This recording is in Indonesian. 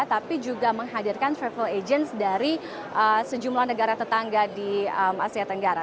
tapi juga menghadirkan travel agents dari sejumlah negara tetangga di asia tenggara